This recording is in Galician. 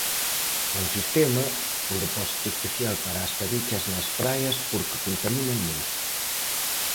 É un sistema, un depósito especial para as cabichas nas praias porque contaminan moito.